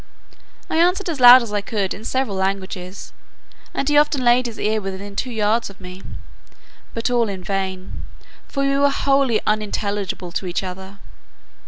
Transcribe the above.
I answered as loud as I could in several languages, and he often laid his ear within two yards of me: but all in vain, for we were wholly unintelligible to each other.